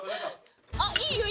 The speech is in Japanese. あっいいよ。